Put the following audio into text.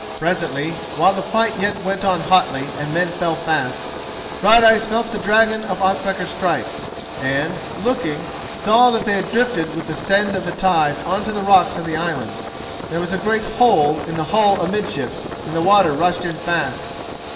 Presently, while the fight yet went on hotly and men fell fast, Brighteyes felt the dragon of Ospakar strike, and, looking, saw that they had drifted with the send of the tide on to the rocks of the island. There was a great hole in the hull amidships and the water rushed in fast.